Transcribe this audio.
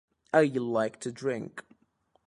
I like to drink.